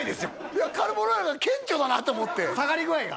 いやカルボナーラは顕著だなと思って下がり具合が？